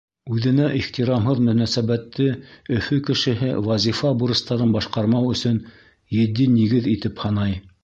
Үҙенә ихтирамһыҙ мөнәсәбәтте Өфө кешеһе вазифа бурыстарын башҡармау өсөн етди нигеҙ итеп һанай.